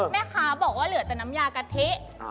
แม่ค้าบอกว่าเหลือแต่น้ำยากะทิ